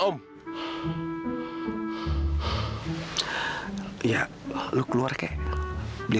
oh bagaimana sih ke mobil